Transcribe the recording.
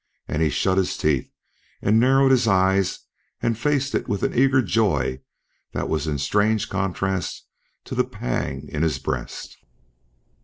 And he shut his teeth, and narrowed his eyes, and faced it with an eager joy that was in strange contrast to the pang in his breast.